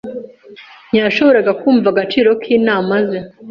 Ntiyashoboraga kumva agaciro k'inama ze.